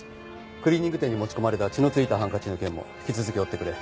クリーニング店に持ち込まれた血のついたハンカチの件も引き続き追ってくれ。